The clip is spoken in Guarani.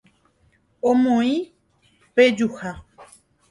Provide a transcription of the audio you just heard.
Omoĩ pejuha